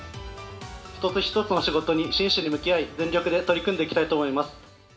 一つ一つの仕事に真摯に向き合い、全力で取り組んでいきたいと思います。